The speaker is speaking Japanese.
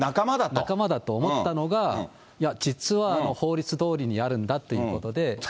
仲間だと思ったのが、いや、実は法律どおりにやるんだっていうことで。